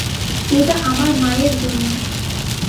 এটা আমার মায়ের জন্য।